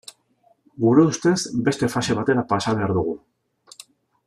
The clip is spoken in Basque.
Gure ustez, beste fase batera pasa behar dugu.